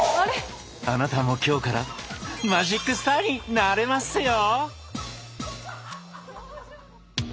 あなたも今日からマジックスターになれますよ！